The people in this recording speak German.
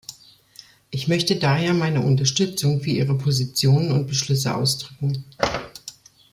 Ich möchte daher meine Unterstützung für ihre Positionen und Beschlüsse ausdrücken.